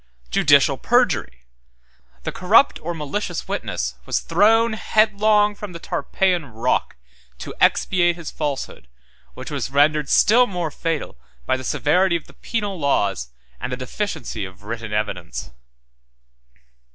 5. Judicial perjury. The corrupt or malicious witness was thrown headlong from the Tarpeian rock, to expiate his falsehood, which was rendered still more fatal by the severity of the penal laws, and the deficiency of written evidence.